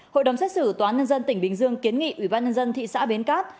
hội đồng xét xử tòa nhân dân tỉnh bình dương kiến nghị ủy ban nhân dân thị xã bến cát